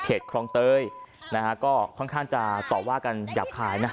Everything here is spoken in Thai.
คลองเตยนะฮะก็ค่อนข้างจะต่อว่ากันหยาบคายนะ